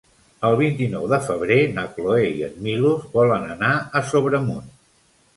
El vint-i-nou de febrer na Cloè i en Milos volen anar a Sobremunt.